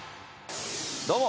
どうも。